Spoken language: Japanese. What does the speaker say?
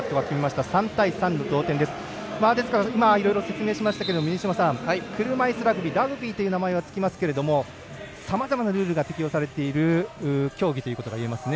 いろいろ、説明しましたが車いすラグビーラグビーという名前はつきますがさまざまなルールが適用されている競技ということがいえますね。